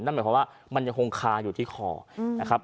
หมายความว่ามันยังคงคาอยู่ที่คอนะครับ